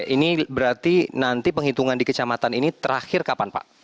ini berarti nanti penghitungan di kecamatan ini terakhir kapan pak